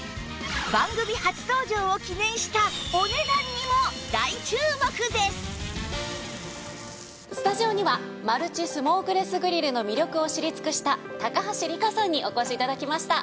実はプレートがスタジオにはマルチスモークレスグリルの魅力を知り尽くした高橋利果さんにお越し頂きました。